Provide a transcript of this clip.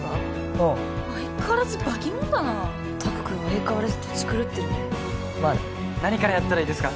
うん相変わらず化けモンだな拓くん相変わらずトチ狂ってるねまあね何からやったらいいですか？